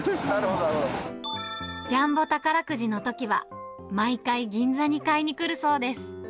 ジャンボ宝くじのときは、毎回、銀座に買いに来るそうです。